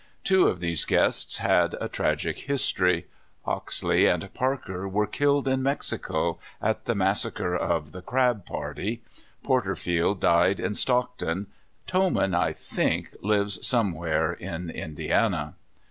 Two of these guests had a tragic history. Ox ley and Parker were killed in Mexico, at the mas sacre of the Crabb party. Portertield died in Stockton. Toman, I think, lives somewhere in Indiana.